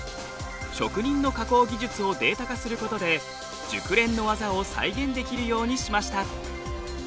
職人の加工技術をデータ化することで熟練の技を再現できるようにしました。